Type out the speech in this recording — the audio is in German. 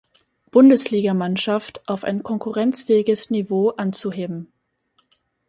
Bundesligamannschaft auf ein konkurrenzfähiges Niveau anzuheben“.